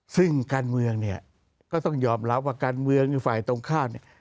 ซึ่งการเมืองเนี่ยก็ต้องยอมรับว่าการเมืองหรือฝ่ายตรงข้ามเนี่ย